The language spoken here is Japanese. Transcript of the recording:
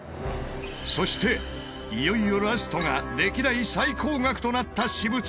そしていよいよラストが歴代最高額となった私物。